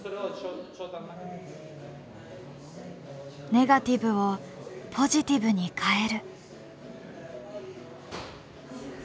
ネガティブをポジティブに変える。